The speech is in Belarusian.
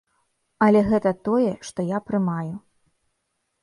Але гэта тое, што я прымаю.